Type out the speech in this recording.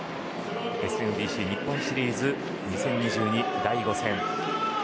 ＳＭＢＣ日本シリーズ２０２２の第５戦。